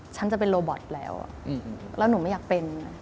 ฉันจะเป็นโรบอตแล้วแล้วหนูไม่อยากเป็น